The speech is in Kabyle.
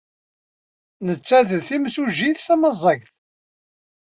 Nettat d timsujjit tamazzagt.